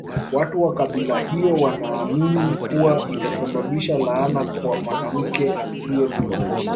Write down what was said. Watu wa kabila hilo wanaamini kuwa itasababisha laana kwa mwanamke asiye na mtoto